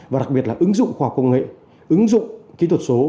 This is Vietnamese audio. và đặc biệt là ứng dụng khoa học công nghệ ứng dụng kỹ thuật số